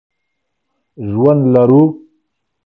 ژوند لرو.